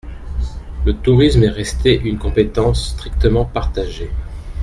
Le tourisme est resté une compétence strictement partagée.